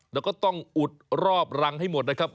แล้วก็ต้องอุดรอบรังให้หมดนะครับ